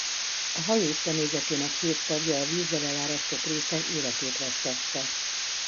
A hajó személyzetének hét tagja a vízzel elárasztott részen életét vesztette.